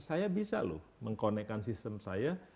saya bisa loh mengkonekkan sistem saya